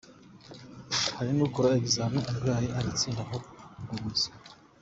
Hari n'ukora examen arwaye agatsindwa ngo ni umuswa.